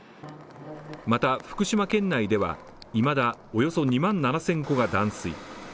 また福島県内では、いまだおよそ２万７０００戸が断水。